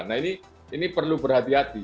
nah ini perlu berhati hati